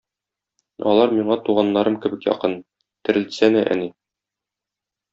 Алар миңа туганнарым кебек якын, терелтсәнә, әни.